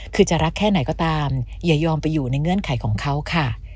คือจะรักแค่ไหนก็ตามอย่ายอมไปอยู่ในเงื่อนไขของเขาค่ะ